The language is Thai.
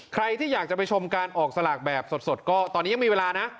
ใครที่อยากจะไปชมการออกสลากแบบสดก็ตอนนี้ยังมีเวลานะ